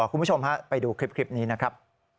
คุณผู้ชมฮะไปดูคลิปนี้นะครับ